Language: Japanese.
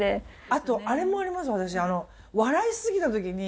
あとあれもあります